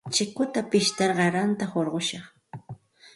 Chikuta pishtar qaranta hurqushqaa.